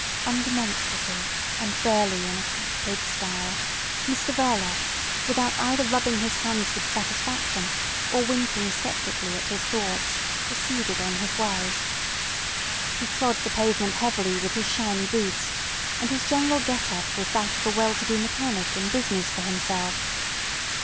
Undemonstrative and burly in a fat pig style, Mr Verloc, without either rubbing his hands with satisfaction or winking sceptically at his thoughts, proceeded on his way. He trod the pavement heavily with his shiny boots, and his general get up was that of a well to do mechanic in business for himself.